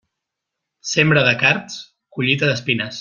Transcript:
Sembra de cards, collita d'espines.